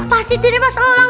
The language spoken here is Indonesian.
pasti ternyata mas elang